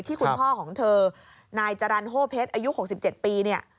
ที่คุณพ่อของเธอนายจรรโฮเพชรอายุ๖๗ปี